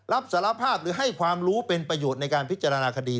รับสารภาพหรือให้ความรู้เป็นประโยชน์ในการพิจารณาคดี